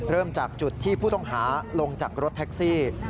เริ่มจากจุดที่ผู้ต้องหาลงจากรถแท็กซี่